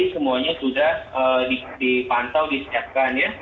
semuanya sudah dipantau disiapkan